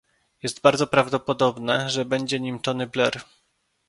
Jest bardzo prawdopodobne, że będzie nim Tony Blair